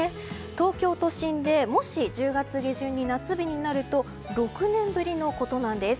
東京都心でもし１０月下旬に夏日になると６年ぶりのことなんです。